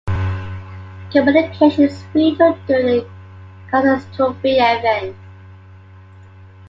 Communication is vital during a catastrophic event.